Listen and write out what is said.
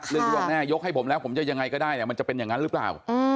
เรื่องที่ว่าแม่ยกให้ผมแล้วผมจะยังไงก็ได้เนี่ยมันจะเป็นอย่างนั้นหรือเปล่า